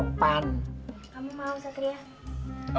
kamu mau satria